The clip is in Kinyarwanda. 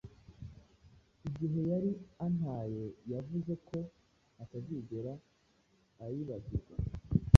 Igihe yari antaye, yavuze ko atazigera aibagirwa.